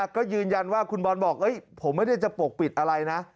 ก็ยืนยันว่าคุณบอลบอกผมไม่ได้จะปกปิดอะไรนะ